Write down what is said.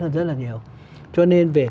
hơn rất là nhiều cho nên về